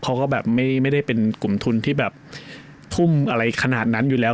เขาก็แบบไม่ได้เป็นกลุ่มทุนที่แบบทุ่มอะไรขนาดนั้นอยู่แล้ว